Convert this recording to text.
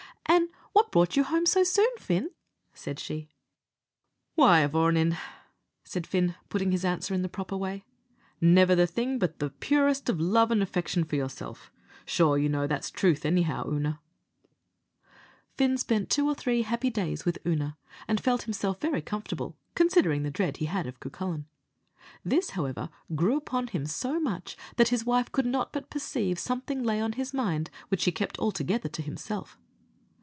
"An' what brought you home so soon, Fin?" said she. "Why, avourneen," said Fin, putting in his answer in the proper way, "never the thing but the purest of love and affection for yourself. Sure you know that's truth, anyhow, Oonagh." Fin spent two or three happy days with Oonagh, and felt himself very comfortable, considering the dread he had of Cucullin. This, however, grew upon him so much that his wife could not but perceive something lay on his mind which he kept altogether to himself.